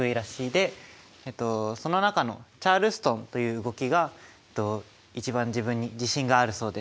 でその中のチャールストンという動きが一番自分に自信があるそうです。